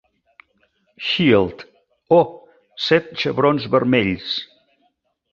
Shield: "O, set xebrons vermells".